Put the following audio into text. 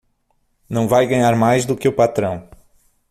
Não vai ganhar mais do que o patrão